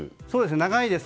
長いです。